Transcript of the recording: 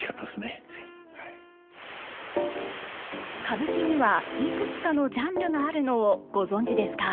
歌舞伎にはいくつかのジャンルがあるのをご存じですか？